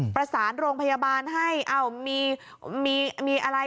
ประสานโรงพยาบาลให้มีอะไร